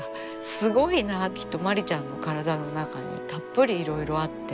きっとまりちゃんの体の中にたっぷりいろいろあって。